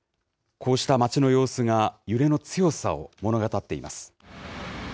こうした街の様子が揺れの強さを物語っています。